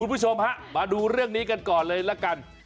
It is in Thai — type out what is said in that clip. คุณผู้ชมฮะมาดูเรื่องนี้กันก่อนเลยละกัน